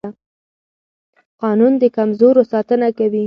قانون د کمزورو ساتنه کوي